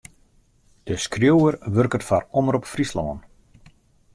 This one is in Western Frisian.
De skriuwer wurket foar Omrop Fryslân.